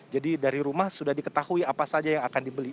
jadi dari rumah sudah diketahui apa saja yang akan dibeli